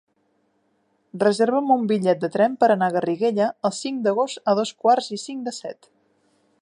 Reserva'm un bitllet de tren per anar a Garriguella el cinc d'agost a dos quarts i cinc de set.